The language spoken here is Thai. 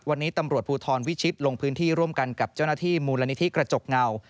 วันนี้ตำรวจภูทรวิชิตลงพื้นที่ร่วมกันกับเจ้าหน้าที่มูลนิธิกระจกเงา